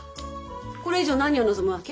これ以上何を望むわけ？